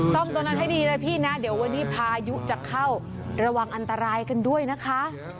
ตรงนั้นให้ดีนะพี่นะเดี๋ยววันนี้พายุจะเข้าระวังอันตรายกันด้วยนะคะ